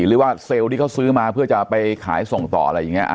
หรือว่าเซลล์ที่เขาซื้อมาเพื่อจะไปขายส่งต่ออะไรอย่างนี้